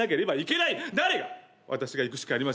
私が行くしかありません。